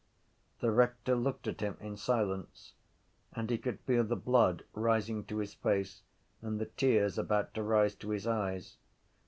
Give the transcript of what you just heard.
The rector looked at him in silence and he could feel the blood rising to his face and the tears about to rise to his eyes.